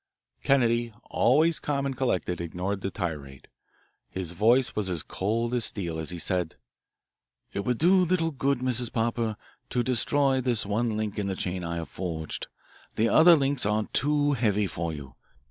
Kennedy, always calm and collected, ignored the tirade. His voice was as cold as steel as he said: "It would do little good, Mrs. Popper, to destroy this one link in the chain I have forged. The other links are too heavy for you.